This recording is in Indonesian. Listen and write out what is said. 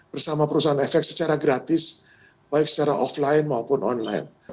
bersama perusahaan efek secara gratis baik secara offline maupun online